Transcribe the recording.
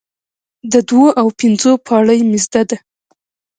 د دوو او پنځو پاړۍ مې زده ده،